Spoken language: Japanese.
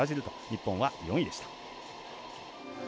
日本は４位でした。